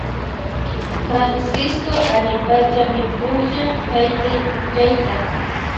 Francisco allipachami pukllan haytaypukllayta